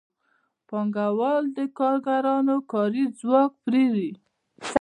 پانګوال د کارګرانو کاري ځواک پېري